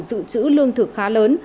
dự trữ lương thực khá lớn